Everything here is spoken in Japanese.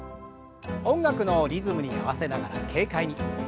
音楽のリズムに合わせながら軽快に。